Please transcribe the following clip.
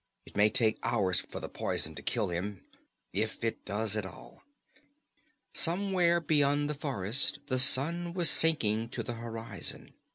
"It may take hours for the poison to kill him if it does at all." Somewhere beyond the forest the sun was sinking to the horizon.